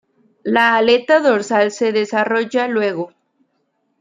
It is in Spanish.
La aleta dorsal se desarrolla luego.